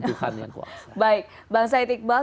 tuhan yang kuasa baik bang said iqbal